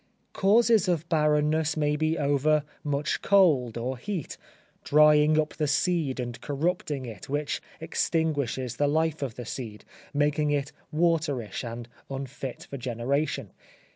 Causes of barrenness may be over much cold or heat, drying up the seed and corrupting it, which extinguishes the life of the seed, making it waterish and unfit for generation.